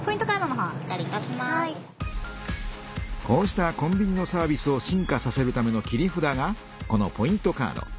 こうしたコンビニのサービスを進化させるための切り札がこのポイントカード。